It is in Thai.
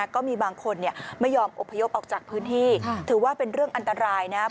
ก็มีบางคนไม่ยอมอบพยพออกจากพื้นที่ถือว่าเป็นเรื่องอันตรายนะครับ